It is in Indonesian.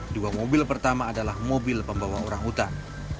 dua mobil pertama adalah mobil pembawa orang hutan